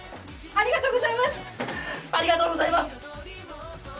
ありがとうございます！